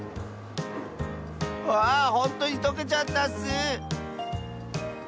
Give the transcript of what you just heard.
わあほんとにとけちゃったッス！